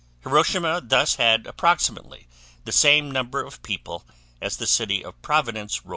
Hiroshima thus had approximately the same number of people as the city of Providence, R.